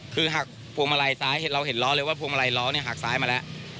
คือหักพวงมาลัยซ้ายเราเห็นล้อเลยว่าพวงมาลัยล้อเนี่ยหักซ้ายมาแล้ว